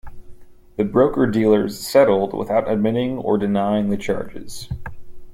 The broker-dealers settled without admitting or denying the charges.